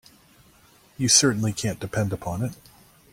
You certainly can't depend upon it.